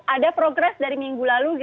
ada progres dari minggu lalu